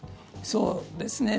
そうですね。